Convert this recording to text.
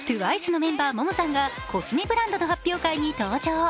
ＴＷＩＣＥのメンバー・ＭＯＭＯさんがコスメブランドの発表会に登場。